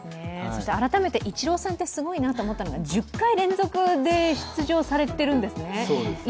改めてイチローさんってすごいなと思ったのが、１０回連続で出場されてるんですね。